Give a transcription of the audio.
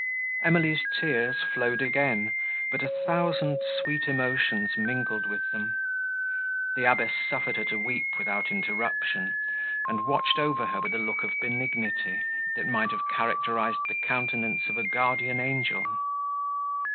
Emily's tears flowed again, but a thousand sweet emotions mingled with them. The abbess suffered her to weep without interruption, and watched over her with a look of benignity, that might have characterised the countenance of a guardian angel.